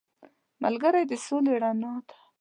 ملګری د سولې رڼا دی